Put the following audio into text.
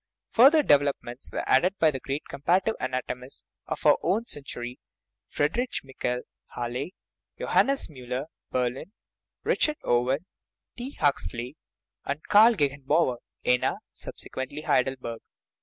Fur ther developments were added by the great comparative anatomists of our own century Friedrich Meckel (Halle), Johannes Miiller (Berlin), Richard Owen, T. Huxley, and Karl Gegenbaur (Jena, subsequently Hei delberg).